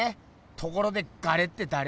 ところでガレってだれ？